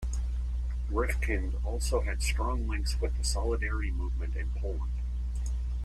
Rifkind also had strong links with the Solidarity movement in Poland.